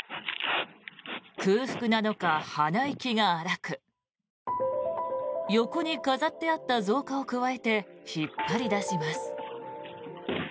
空腹なのか鼻息が荒く横に飾ってあった造花をくわえて引っ張り出します。